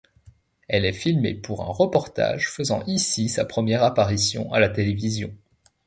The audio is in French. Elle est filmée pour un reportage, faisant ici sa première apparition à la télévision.